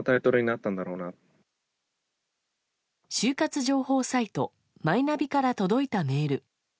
就活情報サイト・マイナビから届いたメール。